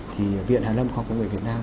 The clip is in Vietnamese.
thì viện hà lâm khoa công nghệ việt nam